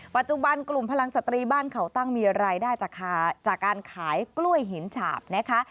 ปัจจุบันกลุ่มพลังสตรีบ้านเขาตั้งมีรายได้จากการขายกล้วยหินฉาบนะคะ